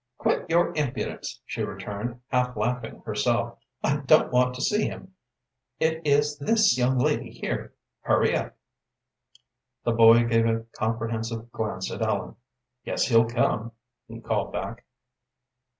"Quit your impudence," she returned, half laughing herself. "I don't want to see him; it is this young lady here; hurry up." The boy gave a comprehensive glance at Ellen. "Guess he'll come," he called back.